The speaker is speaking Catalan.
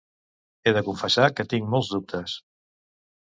He de confessar que tinc molts dubtes.